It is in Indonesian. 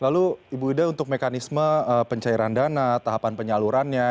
lalu ibu ida untuk mekanisme pencairan dana tahapan penyalurannya